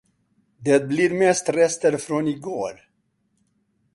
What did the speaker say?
Det blir mest rester från igår.